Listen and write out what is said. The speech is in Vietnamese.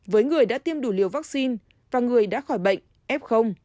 với người đã tiêm đủ liều vaccine và người đã khỏi bệnh f